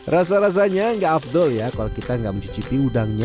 rasa rasanya enggak abdol ya kalau kita enggak mencucipi udangnya